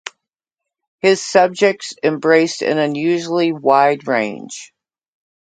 His subjects embraced an unusually wide range.